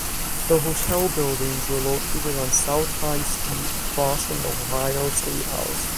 The hotel buildings were located on South High Street across from the Ohio Statehouse.